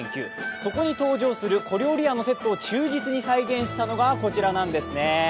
そこに登場する小料理屋のセットを忠実に再現したのがこちらなんですね。